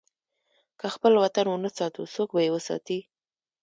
که خپل وطن ونه ساتو، څوک به یې وساتي؟